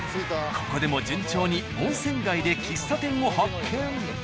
ここでも順調に温泉街で喫茶店を発見。